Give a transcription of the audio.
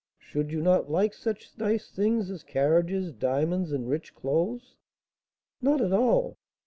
Should you not like such nice things as carriages, diamonds, and rich clothes?" "Not at all!